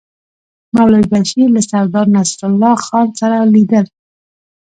مولوي بشیر له سردار نصرالله خان سره لیدل.